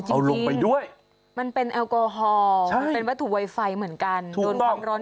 เอาลงไปด้วยมันเป็นแอลกอฮอล์เป็นวัตถุไวไฟเหมือนกันโดนความร้อน